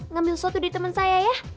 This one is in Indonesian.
ngambil soto di temen saya ya